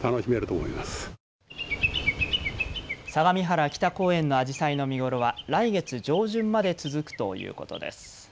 相模原北公園のアジサイの見頃は来月上旬まで続くということです。